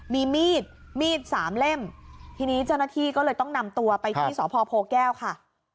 มีมีดมีดสามเล่มทีนี้เจ้าหน้าที่ก็เลยต้องนำตัวไปที่สพโพแก้วค่ะ